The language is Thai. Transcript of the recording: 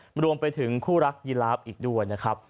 รวมไปถึงคู่รักยีลาฟอีกด้วยนะครับ